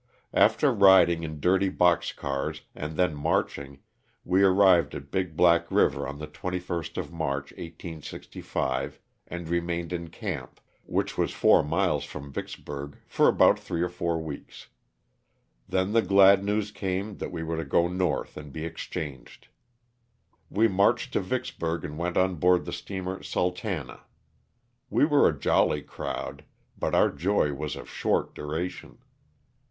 After riding in dirty box cars and then marching, we arrived at Big Black river on the 21st of March, 1865, and remained in camp, which was four miles from Vicksburg, for three or four weeks. Then the glad news came that we were to go North and be exchanged. We marched to Vicksburg and went on board the steamer ''Sultana." We were a jolly crowd, but our joy was of short duration.